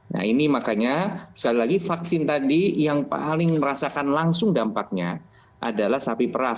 nah ini makanya sekali lagi vaksin tadi yang paling merasakan langsung dampaknya adalah sapi perah